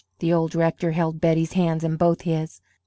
The old rector held Betty's hand in both his.